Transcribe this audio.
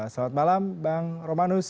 selamat malam bang romanus